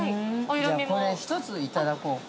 ◆これ、１ついただこうか。